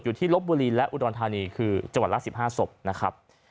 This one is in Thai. ที่ลบบุรีและอุดรธานีคือจังหวัดละ๑๕ศพนะครับ